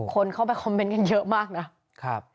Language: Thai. คนเข้าไปคอมเมนต์กันเยอะมากนะครับ